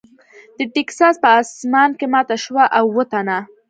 د ټیکساس په اسمان کې ماته شوه او اووه تنه .